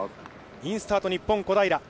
インスタート、日本、小平。